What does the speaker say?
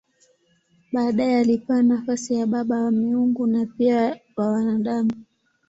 Baadaye alipewa nafasi ya baba wa miungu na pia wa wanadamu.